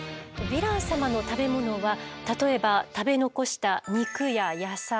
ヴィラン様の食べ物は例えば食べ残した肉や野菜。